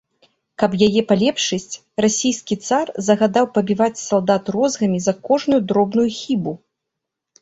Каб яе палепшыць, расійскі цар загадаў пабіваць салдат розгамі за кожную дробную хібу.